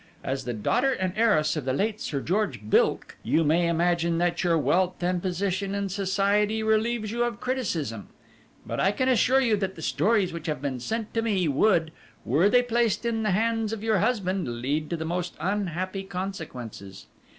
As the daughter and heiress of the late Sir George Billk, you may imagine that your wealth and position in society relieves you of criticism, but I can assure you that the stories which have been sent to me would, were they placed in the hands of your husband, lead to the most unhappy consequences.